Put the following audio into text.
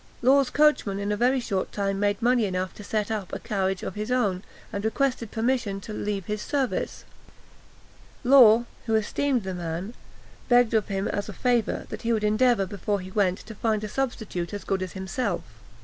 Law's coachman in a very short time made money enough to set up a carriage of his own, and requested permission to leave his service. Law, who esteemed the man, begged of him as a favour, that he would endeavour, before he went, to find a substitute as good as himself.